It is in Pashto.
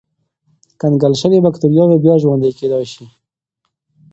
کنګل شوې بکتریاوې بیا ژوندی کېدای شي.